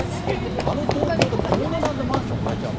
あの東京でこの値段でマンション買えちゃうの？